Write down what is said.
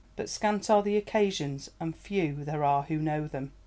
But scant are the occasions, and few there are who know them.